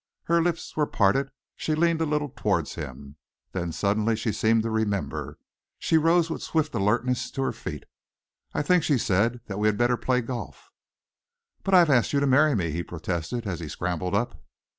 Her lips were parted, she leaned a little towards him. Then suddenly she seemed to remember. She rose with swift alertness to her feet. "I think," she said, "that we had better play golf." "But I have asked you to marry me," he protested, as he scrambled up.